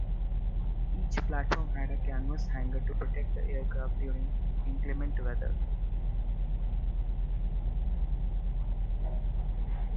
Each platform had a canvas hangar to protect the aircraft during inclement weather.